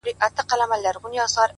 وخت له هیچا سره نه دریږي,